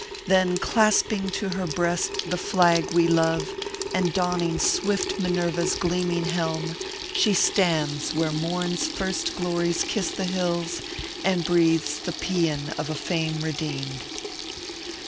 Then clasping to her breast the flag we love, and donning swift Minerva s gleaming helm, she stands where Morn s first glories kiss the hills, and breathes the paean of a fame redeemed